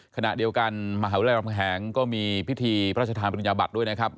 ขณะเดียวกันมหาวิทยาลัยรำแหงก็มีพิธีพระราชทานปริญญาบัตรด้วยนะครับ